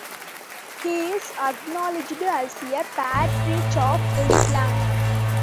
He is acknowledged as a patriarch of Islam.